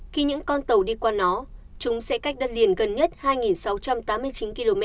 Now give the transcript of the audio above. khi những con tàu đi qua nó chúng sẽ cách đất liền gần nhất hai sáu trăm tám mươi chín km